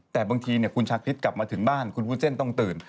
แต่บางทีคุณชาคริสกลับมาถึงบ้านคุณวุ้นเส้นต้องตื่น